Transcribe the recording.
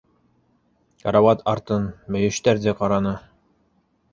Карауат артын, мөйөштәрҙе ҡараны.